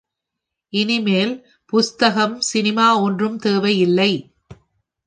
இனிமேல் புஸ்தகம், சினிமா ஒன்றும் தேவையில்லை.